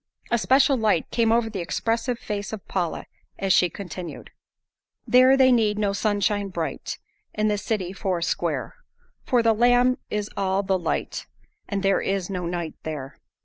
A special light came over the expressive face of Paula as she continued: "There they need no sunshine bright, In the city four square, For the Lamb is all the light, And there is no night there."